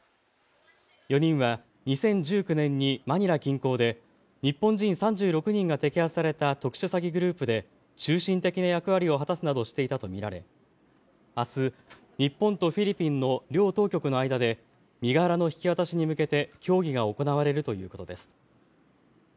４人は２０１９年にマニラ近郊で日本人３６人が摘発された特殊詐欺グループで中心的な役割を果たすなどしていたと見られあす日本とフィリピンの両当局の間で身柄の引き渡しに向けて協議が行われるということです。